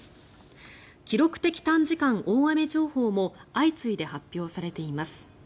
記録的短時間大雨情報も相次いで発表されています。